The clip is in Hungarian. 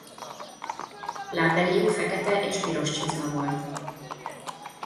Lábbelijük fekete és piros csizma volt.